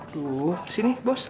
tuh sini bos